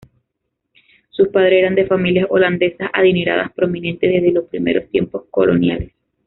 Sus padres eran de familias holandesas adineradas prominentes desde los primeros tiempos coloniales.